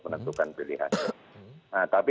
menentukan pilihan nah tapi